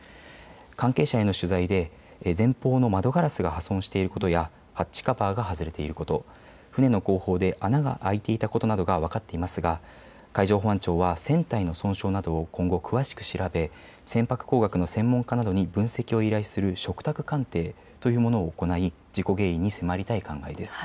関係者への取材で前方の窓ガラスが破損していることやハッチカバーが外れていること、船の後方で穴が開いていたことなどが分かっていますが海上保安庁は船体の損傷などを今後、詳しく調べ船舶工学の専門家などに分析を依頼する嘱託鑑定というものを行い事故原因に迫りたい考えです。